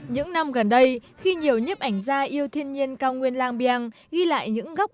những năm gần đây khi nhiều nhếp ảnh gia yêu thiên nhiên cao nguyên lang biang ghi lại những góc